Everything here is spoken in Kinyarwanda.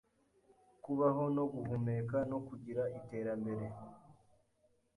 kubaho no guhumeka no kugira iterambere